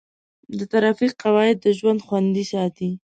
د ټرافیک قواعد د ژوند خوندي ساتي.